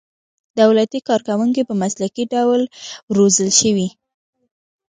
دولتي کارکوونکي په مسلکي ډول وروزل شي.